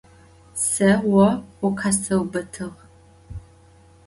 Se vo vukhesıubıtığ.